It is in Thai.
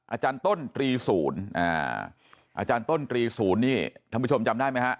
อาจารย์ต้นตรีศูนย์อาจารย์ต้นตรีศูนย์นี่ท่านผู้ชมจำได้ไหมฮะ